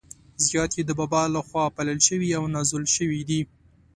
زیات يې د بابا له خوا پالل شوي او نازول شوي دي.